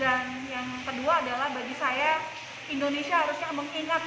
yang kedua adalah bagi saya indonesia harusnya mengingat